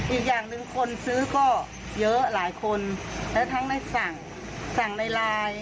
อีกอย่างหนึ่งคนซื้อก็เยอะหลายคนและทั้งในสั่งสั่งในไลน์